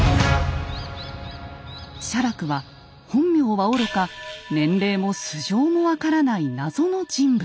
写楽は本名はおろか年齢も素性も分からない謎の人物。